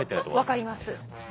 分かります。